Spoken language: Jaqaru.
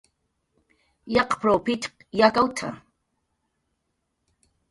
"Jaqp""rw p""itx""q yakawt""a "